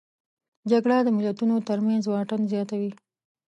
جګړه د ملتونو ترمنځ واټن زیاتوي